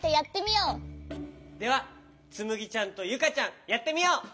ではつむぎちゃんとゆかちゃんやってみよう！